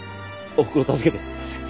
おふくろ助けてやってください。